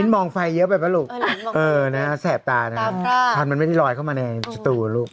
มิ้นท์มองไฟเยอะไปป่ะลูกแสบตานะฮะมันไม่ได้ลอยเข้ามาแน่สตูลูก